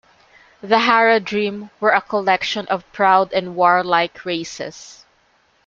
The Haradrim were a collection of proud and warlike races.